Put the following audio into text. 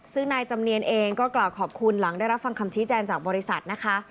ซึ่งนายจำเนียนเองก็กล่าวขอบคุณหลังได้รับฟังคำชี้แจงจากบริษัทนะคะ